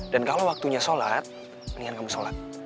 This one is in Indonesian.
dan kalau waktunya sholat mendingan kamu sholat